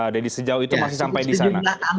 jadi sejauh itu masih sampai di sana